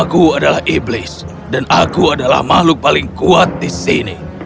aku adalah iblis dan aku adalah makhluk paling kuat di sini